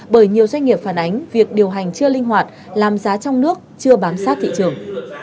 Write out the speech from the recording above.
bởi nhiều doanh nghiệp phản ánh việc điều hành chưa linh hoạt làm giá trong nước chưa bám sát thị trường